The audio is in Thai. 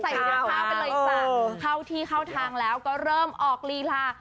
เนื้อข้าวไปเลยจ้ะเข้าที่เข้าทางแล้วก็เริ่มออกลีลา